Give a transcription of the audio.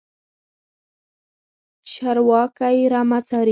چرواکی رمه څاري.